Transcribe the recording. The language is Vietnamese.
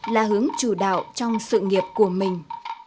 là hướng chủ đạo trong sự nghiệp của mình